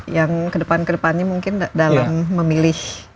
yang kedepan kedepannya mungkin dalam memilih